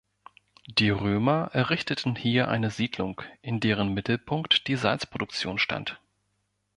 Die Römer errichteten hier eine Siedlung, in deren Mittelpunkt die Salzproduktion stand.